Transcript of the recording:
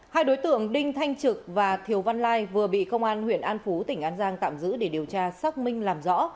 hai đối tượng đinh thanh trực và thiều văn lai vừa bị công an huyện an phú tỉnh an giang tạm giữ để điều tra xác minh làm rõ